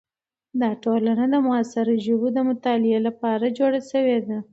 دا ټولنه د معاصرو ژبو د مطالعې لپاره جوړه شوې ده.